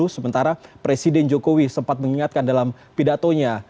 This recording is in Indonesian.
sementara presiden jokowi sempat mengingatkan dalam pidatonya